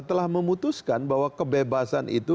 telah memutuskan bahwa kebebasan itu